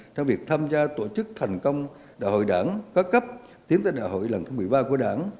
trong việc tham gia tổ chức thành công đại hội đảng các cấp tiến tới đại hội lần thứ một mươi ba của đảng